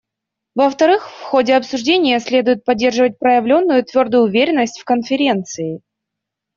Во-вторых, в ходе обсуждения следует поддерживать проявленную твердую уверенность в Конференции.